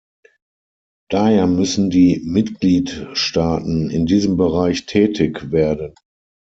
Daher müssen die Mitgliedstaaten in diesem Bereich tätig werden.